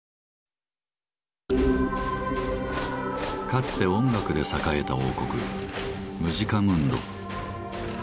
かつて音楽で栄えた王国「ムジカムンド」。